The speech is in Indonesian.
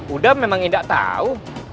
udah memang enggak tau